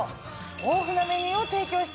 豊富なメニューを提供しています。